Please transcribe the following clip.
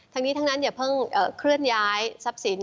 ทั้งนี้ทั้งนั้นอย่าเพิ่งเคลื่อนย้ายทรัพย์สิน